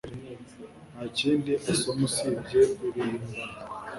Nta kindi asoma usibye ibihimbano